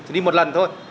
thì đi một lần thôi